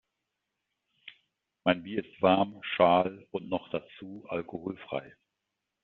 Mein Bier ist warm und schal und noch dazu alkoholfrei.